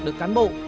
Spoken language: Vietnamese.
được cán bộ